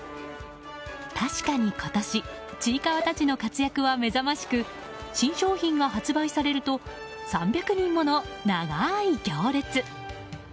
確かに今年、ちいかわたちの活躍は目覚ましく新商品が発売されると３００人もの長い行列。